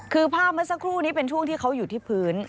คือภาพเมื่อสักครู่นี้เป็นช่วงที่เขาอยู่ที่พื้น